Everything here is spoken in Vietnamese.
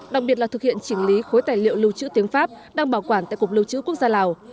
đặc biệt là thực hiện chỉnh lý khối tài liệu lưu trữ tiếng pháp đang bảo quản tại cục lưu trữ quốc gia lào